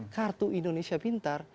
kartu indonesia pintar